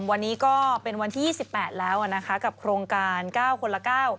วันนี้ก็เป็นวันที่๒๘แล้วนะคะกับโครงการ๙คนละ๙